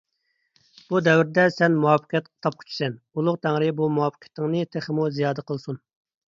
بۇ دەۋردە سەن مۇۋەپپەقىيەت تاپقۇچىسەن. ئۇلۇغ تەڭرى بۇ مۇۋەپپەقىيىتىڭنى تېخىمۇ زىيادە قىلسۇن.